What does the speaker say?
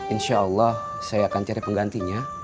insya allah saya akan cari penggantinya